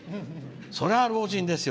それは老人ですよ。